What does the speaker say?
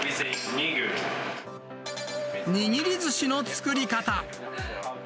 握りずしの作り方。